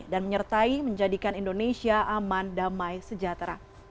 dan menyertai menjadikan indonesia aman damai sejahtera